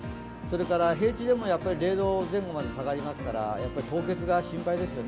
平地でも０度前後まで下がりますから凍結が心配ですよね。